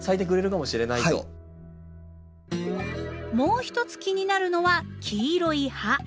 もう一つ気になるのは黄色い葉。